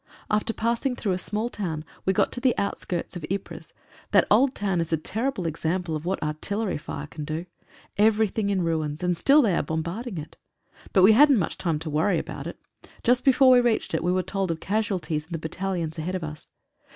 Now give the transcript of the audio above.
After passing through a small town we got to the outskirts of Ypres That old town is a terrible example of what artillery fire can do. Everything in ruins, and still they are bom barding it. But we hadn't much time to worry about it. Just before we reached it we were told of casualties in the battalions ahead of us.